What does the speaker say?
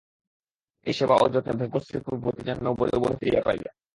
এই সেবা ও যত্নে ভগ্নশ্রী ভূপতি যেন নবযৌবন ফিরিয়া পাইল।